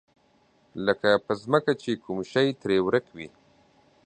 لکه په ځمکه چې کوم شی ترې ورک وي.